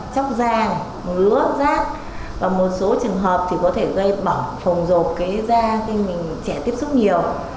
bong vẩy da ngứa rác và một số trường hợp thì có thể gây bỏng phồng rột cái da khi mình trẻ tiếp xúc nhiều